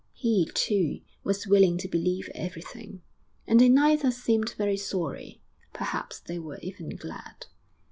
He, too, was willing to believe everything, and they neither seemed very sorry.... Perhaps they were even glad.